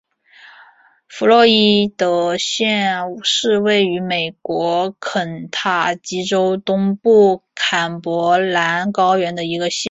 弗洛伊德县是位于美国肯塔基州东部坎伯兰高原的一个县。